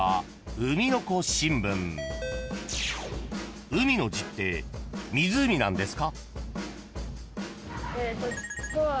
［「うみ」の字って湖なんですか？］